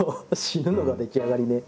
「死ぬのができ上がり」ね。